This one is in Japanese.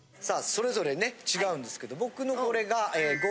それぞれね違うんですけど僕のこれが。